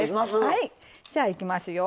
じゃあいきますよ。